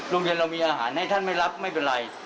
โรงเรียนเรามีอาหารให้ท่านไม่รับไม่เป็นไร